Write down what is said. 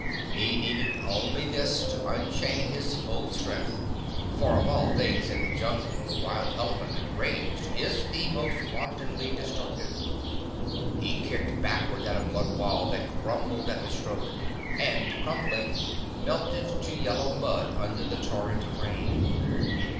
He needed only this to unchain his full strength, for of all things in the Jungle the wild elephant enraged is the most wantonly destructive. He kicked backward at a mud wall that crumbled at the stroke, and, crumbling, melted to yellow mud under the torrent of rain.